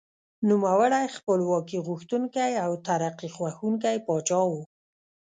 نوموړی خپلواکي غوښتونکی او ترقي خوښوونکی پاچا و.